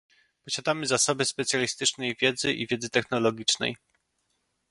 Posiadamy zasoby specjalistycznej wiedzy i wiedzy technologicznej